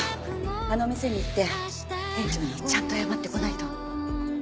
あの店に行って店長にちゃんと謝ってこないと。